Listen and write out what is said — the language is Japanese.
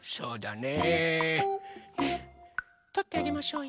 ねえとってあげましょうよ。